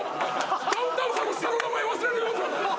ダウンタウンさんの下の名前忘れるなんて！